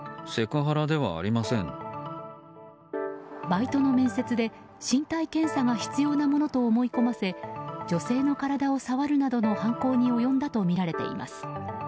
バイトの面接で身体検査が必要なものと思い込ませ女性の体を触るなどの犯行に及んだとみられています。